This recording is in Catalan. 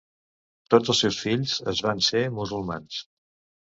Tots els seus fills es van ser musulmans.